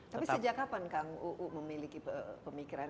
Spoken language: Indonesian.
tapi sejak kapan kang uu memiliki pemikiran